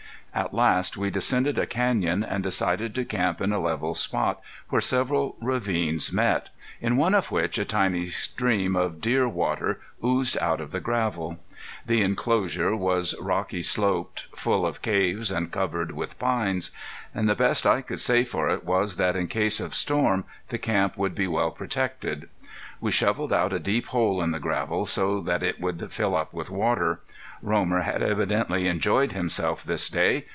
At last we descended a canyon, and decided to camp in a level spot where several ravines met, in one of which a tiny stream of dear water oozed out of the gravel. The inclosure was rocky sloped, full of caves and covered with pines; and the best I could say for it was that in case of storm the camp would be well protected. We shoveled out a deep hole in the gravel, so that it would fill up with water. Romer had evidently enjoyed himself this day.